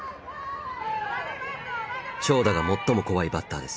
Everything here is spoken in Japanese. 長打が最も怖いバッターです。